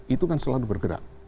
itu kan selalu bergerak